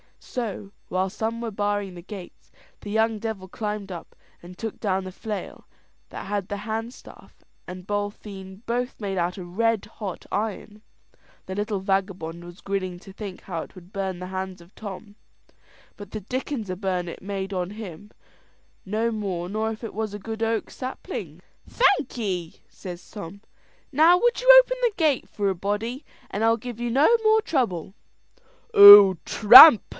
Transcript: So, while some were barring the gates, the young devil climbed up, and took down the flail that had the handstaff and booltheen both made out of red hot iron. The little vagabond was grinning to think how it would burn the hands o' Tom, but the dickens a burn it made on him, no more nor if it was a good oak sapling. "Thankee," says Tom. "Now would you open the gate for a body, and I'll give you no more trouble." "Oh, tramp!"